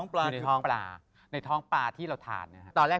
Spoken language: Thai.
พี่ยังไม่ได้เลิกแต่พี่ยังไม่ได้เลิก